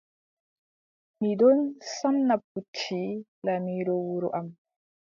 Mi ɗon samna pucci laamiiɗo wuro am.